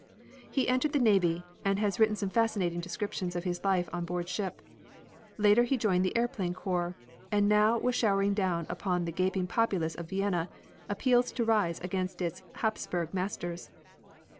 He entered the navy, and has written some fascinating descriptions of his life on board ship. Later he joined the airplane corps, and now was showering down upon the gaping populace of Vienna appeals to rise against its Hapsburg masters.